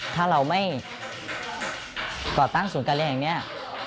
ถ้าเราไม่ก่อตั้งศูนย์การแรงเนี่ย